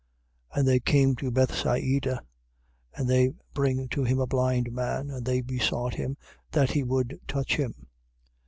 8:22. And they came to Bethsaida: and they bring to him a blind man. And they besought him that he would touch him.